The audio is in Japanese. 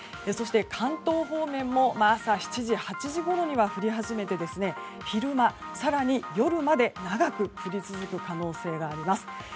そして関東方面も朝７時、８時ごろには降り始めて昼間、更に夜まで長く降り続く可能性があります。